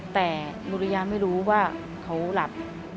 แต่ดุริยาไม่รู้ว่าเขาหลับ